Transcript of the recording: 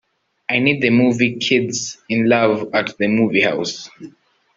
I need the movie Kids in Love at the movie house